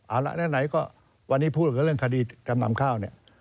เอาละไหนก็วันนี้พูดกับเรื่องคดีจำนำข้าวเนี่ย